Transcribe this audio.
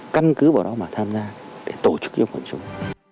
căn cứ vào đó mà tham gia để tổ chức cho quần chúng